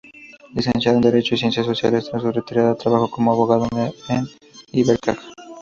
Licenciado en Derecho y Ciencias Sociales, tras su retirada trabajó como abogado en Ibercaja.